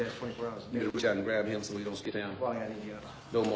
どうも。